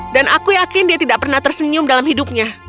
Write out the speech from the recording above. dan aku yakin dia tidak pernah tersenyum dalam hidupnya